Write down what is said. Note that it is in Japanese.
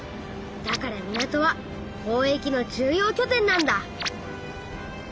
だから港は貿易の重要きょ点なんだ。